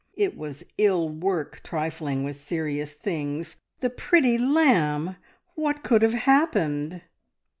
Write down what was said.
It was ill work trifling with serious things. The pretty lamb! What could have happened?